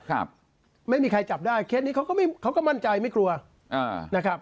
ครับไม่มีใครจับได้เคสนี้เขาก็ไม่เขาก็มั่นใจไม่กลัวอ่านะครับ